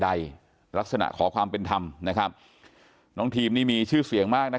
ใดลักษณะขอความเป็นธรรมนะครับน้องทีมนี่มีชื่อเสียงมากนะ